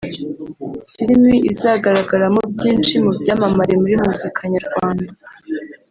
filimi izagaragaramo byinshi mu byamamare muri muzika nyarwanda